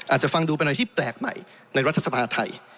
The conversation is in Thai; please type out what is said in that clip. อาจจะฟังดูเป็นอะไรที่แปลกใหม่ในรัฐสภาไทย